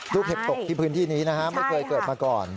เห็บตกที่พื้นที่นี้นะฮะไม่เคยเกิดมาก่อน